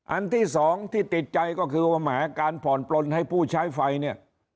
อันที่สองที่ติดใจก็คือว่าแหมการผ่อนปลนให้ผู้ใช้ไฟเนี่ย